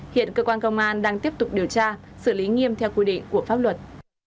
hiện cơ quan công an đang tiếp tục điều tra xử lý nghiêm theo quy định của pháp luật